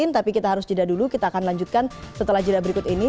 tapi kita harus jeda dulu kita akan lanjutkan setelah jeda berikut ini